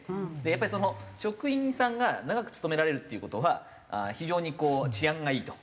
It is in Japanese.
やっぱり職員さんが長く勤められるっていう事は非常にこう治安がいいと。